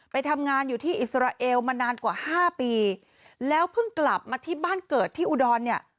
ไปทำงานอยู่ที่อิสราเอลมานานกว่าห้าปีแล้วเพิ่งกลับมาที่บ้านเกิดที่อุดรเนี่ย